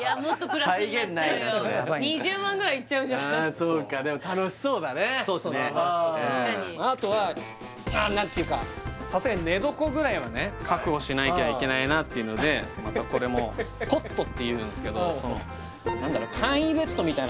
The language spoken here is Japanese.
そうかでもあとは何ていうかさすがに寝床ぐらいはね確保しなきゃいけないなっていうのでまたこれもコットっていうんすけどその何だろえっ？